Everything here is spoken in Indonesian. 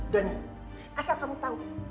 donny asal kamu tahu